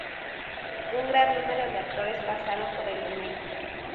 Un gran número de actores pasaron por el elenco.